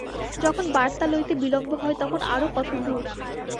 যখন বার্তা লইতে বিলম্ব হয়, তখন আরাে কতদূর!